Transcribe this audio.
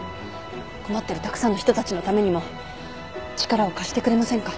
困ってるたくさんの人たちのためにも力を貸してくれませんか